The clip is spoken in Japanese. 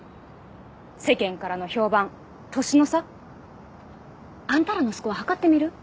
世間からの評判年の差？あんたらのスコア測ってみる？